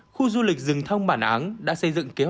khu du lịch rừng thông bản áng đã xây dựng kế hoạch